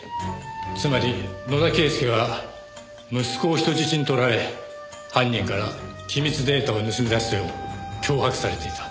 つまり野田啓介は息子を人質に取られ犯人から機密データを盗み出すよう脅迫されていた。